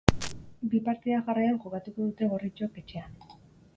Bi partida jarraian jokatuko dute gorritxoek etxean.